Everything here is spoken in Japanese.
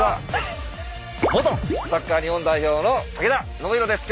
元サッカー日本代表の武田修宏です。